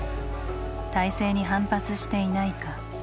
体制に反発していないか？